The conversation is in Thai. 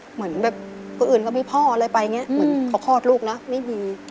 เหมือนแบบคนอื่นเขามีพ่ออะไรไปอย่างนี้เหมือนเขาคลอดลูกนะไม่มี